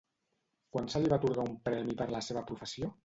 Quan se li va atorgar un premi per la seva professió?